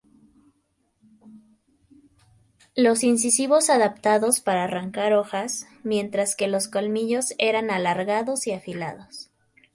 Los incisivos adaptados para arrancar hojas, mientras que los colmillos eran alargados y afilados.